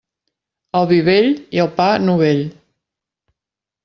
El vi vell, i el pa novell.